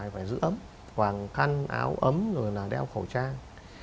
thì phải giữ ấm hoàng khăn áo ấm rồi là đeo khẩu trang